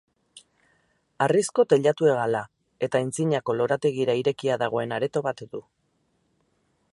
Harrizko teilatu-hegala eta antzinako lorategira irekia dagoen areto bat du.